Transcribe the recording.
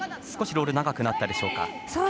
少しロールが長くなったでしょうか。